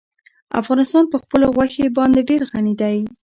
افغانستان په خپلو غوښې باندې ډېر غني دی.